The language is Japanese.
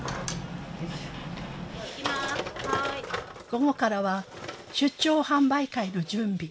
午後からは出張販売会の準備。